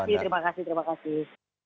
terima kasih terima kasih terima kasih